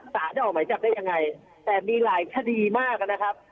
ศาสตร์ได้ออกไหมจับได้ยังไงแต่มีหลายคดีมากนะครับ